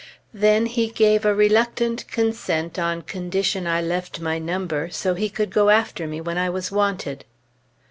Then he gave a reluctant consent on condition I left my number, so he could go after me when I was wanted.